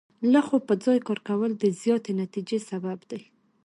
لږ خو په ځای کار کول د زیاتې نتیجې سبب دی.